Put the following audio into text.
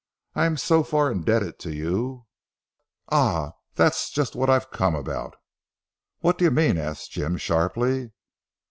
I am so far indebted to you " "Ah! that's just what I've come about." "What do you mean?" asked Jim sharply.